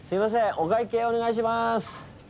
お会計お願いします。